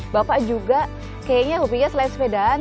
bapak juga kayaknya hobinya selain sepedaan